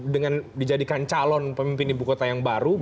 dengan dijadikan calon pemimpin ibu kota yang berada di jakarta